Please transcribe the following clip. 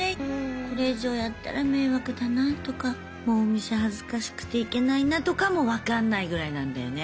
これ以上やったら迷惑だなとかもうお店恥ずかしくて行けないなとかも分かんないぐらいなんだよね。